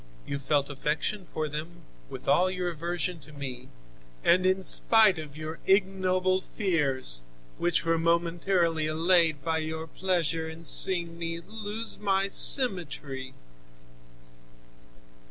You felt affection for them, with all your aversion to me, and in spite of your ignoble fears, which were momentarily allayed by your pleasure in seeing me lose my symmetry.